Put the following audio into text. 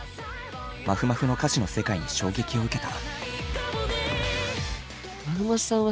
まふまふの歌詞の世界に衝撃を受けた。